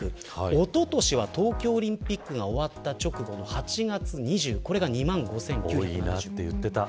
おととしは東京オリンピックが終わった直後の８月２０日これが２万５９７５人。